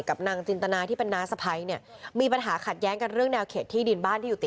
ตอนนั้นทะเก่ไม่ฟังไม่ถูกเมดื่อเมดื่อทะเก่กว้างแบบนี้